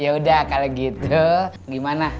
yaudah kalo gitu gimana